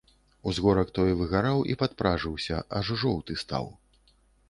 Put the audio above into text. Узгорак той выгараў і падпражыўся, аж жоўты стаў.